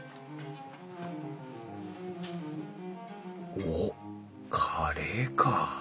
おっカレーか！